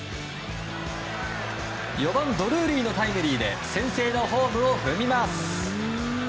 ４番、ドルーリーのタイムリーで先制のホームを踏みます。